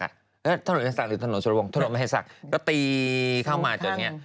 ถนนอันทรักษ์หรือถนนชุนโรงถนนอันทรักษ์หรือถนนมหัญษักก็ตีเข้ามาจนแบบนี้